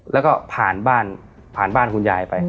แล้วก็ผ่านบ้านคุณยายไป